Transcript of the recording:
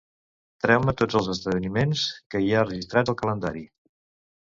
Treu-me tots els esdeveniments que hi ha registrats al calendari.